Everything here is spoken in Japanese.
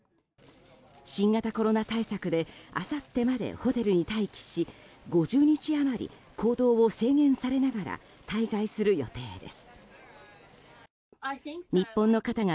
新型コロナ対策であさってまでホテルに待機し５０日余り行動を制限されながら滞在する予定です。